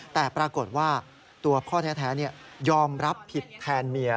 แต่ปรากฏว่าตัวพ่อแท้ยอมรับผิดแทนเมีย